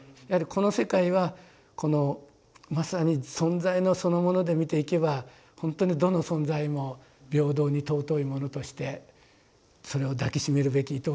やはりこの世界はこのまさに存在のそのもので見ていけばほんとにどの存在も平等に尊いものとしてそれを抱きしめるべき